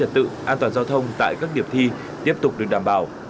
trật tự an toàn giao thông tại các điểm thi tiếp tục được đảm bảo